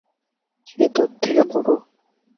সে তোর থেকে বড়।